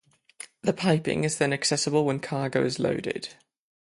The piping is then accessible when cargo is loaded.